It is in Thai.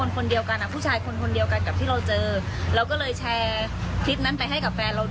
ที่เป็นเจ้าของคลิปอะค่ะ